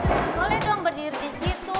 boleh dong berdiri disitu